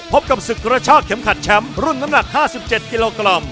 พบกับศึกกระชากเข็มขัดแชมป์รุ่นน้ำหนัก๕๗กิโลกรัม